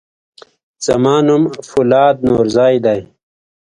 زما نوم فولاد نورزی دی.